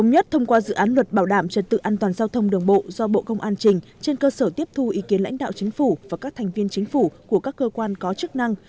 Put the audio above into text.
giao thông đường bộ do bộ công an trình trên cơ sở tiếp thu ý kiến lãnh đạo chính phủ và các thành viên chính phủ của các cơ quan có chức năng